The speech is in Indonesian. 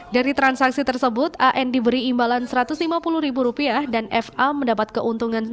dari transaksi tersebut an diberi imbalan rp satu ratus lima puluh dan fa mendapat keuntungan rp enam ratus lima puluh